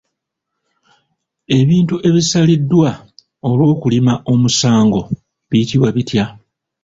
Ebintu ebisaliddwa olw'okulima omusango biyitibwa bitya?